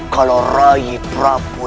kalau rai prabu